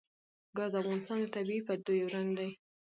ګاز د افغانستان د طبیعي پدیدو یو رنګ دی.